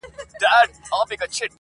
• ور نیژدې یوه جاله سوه په څپو کي -